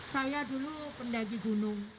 saya dulu pendagi gunung